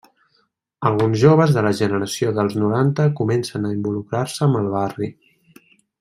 Alguns joves de la generació dels noranta comencen a involucrar-se amb el barri.